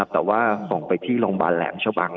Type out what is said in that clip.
แต่ว่าส่งไปที่โรงพยาบาลแหลมชะบัง